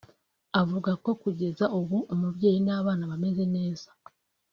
avuga ko kugeza ubu umubyeyi n’abana bameze neza